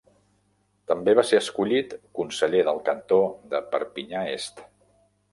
També va ser escollit conseller del cantó de Perpinyà-Est.